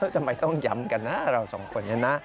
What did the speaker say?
ทำไมต้องย้ำกันนะเราสองคนนี้นะ